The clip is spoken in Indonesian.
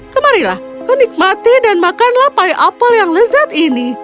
kemarilah nikmati dan makanlah pie apple yang lezat ini